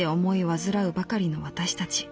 患うばかりの私たち。